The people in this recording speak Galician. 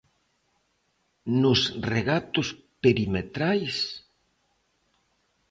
¿Nos regatos perimetrais?